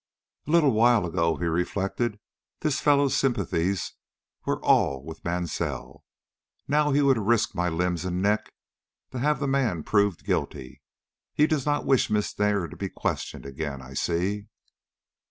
"A little while ago," he reflected, "this fellow's sympathies were all with Mansell; now he would risk my limbs and neck to have the man proved guilty. He does not wish Miss Dare to be questioned again, I see."